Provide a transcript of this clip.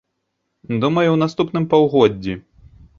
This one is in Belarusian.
Думаю, у наступным паўгоддзі.